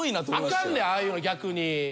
アカンでああいうの逆に。